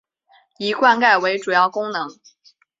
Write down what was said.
以灌溉为主要功能。